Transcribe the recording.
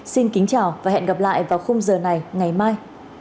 xin kính chào và hẹn gặp lại vào khung giờ này ngày mai